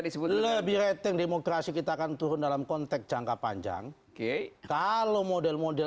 sebenarnya lebih rating demokrasi kita akan turun dalam konteks jangka panjang oke kalau model model